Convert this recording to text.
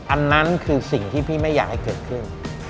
อันนั้นคือสิ่งที่พี่ไม่อยากให้เกิดขึ้น